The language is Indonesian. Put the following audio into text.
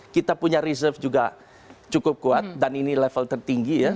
kita punya reserve juga cukup kuat dan ini level tertinggi ya